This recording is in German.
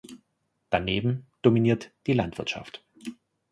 Daneben dominiert die Landwirtschaft.